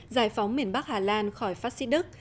giải phóng miền bắc hà lan khỏi phát xít đức